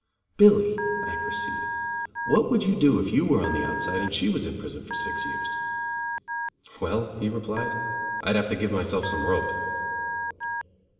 "Billy," I proceeded, "what would you do if you were on the outside and she was in prison for six years?" "Well," he replied, "I'd have to give myself some rope."